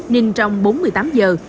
ninh trong bốn mươi tám giờ